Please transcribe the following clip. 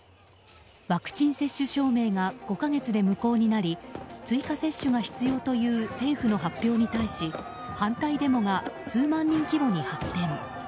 ワクチン接種証明が５か月で無効になり追加接種が必要という政府の発表に対し反対デモが数万人規模に発展。